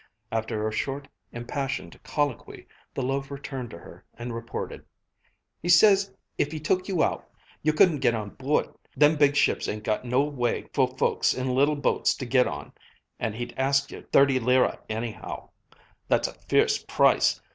After a short impassioned colloquy, the loafer turned to her and reported: "He says if he took you out, you couldn't git on board. Them big ships ain't got no way for folks in little boats to git on. And he'd ask you thirty lire, anyhow. That's a fierce price.